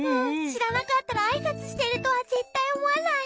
しらなかったらあいさつしてるとはぜったいおもわない。